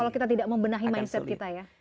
kalau kita tidak membenahi mindset kita ya